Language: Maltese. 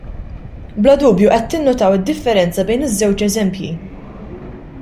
Bla dubju qed tinnutaw id-differenza bejn iż-żewġ eżempji.